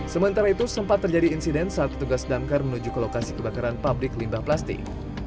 sementara itu sempat terjadi insiden saat petugas damkar menuju ke lokasi kebakaran pabrik limbah plastik